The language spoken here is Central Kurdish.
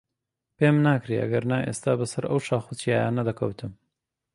پێم ناکرێ، ئەگەنا ئێستا بەسەر ئەو شاخ و چیایانە دەکەوتم.